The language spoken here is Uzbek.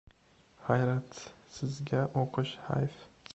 Hayratsizga o‘qish hayf!